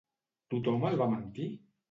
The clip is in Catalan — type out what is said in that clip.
Tothom el va mentir?